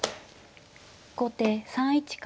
後手３一角。